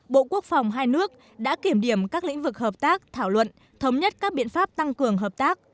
bộ quốc phòng hai nước đã kiểm điểm các lĩnh vực hợp tác thảo luận thống nhất các biện pháp tăng cường hợp tác